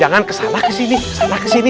jangan kesana kesini salah kesini